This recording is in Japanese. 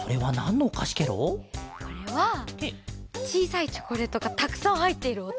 これはちいさいチョコレートがたくさんはいっているおと。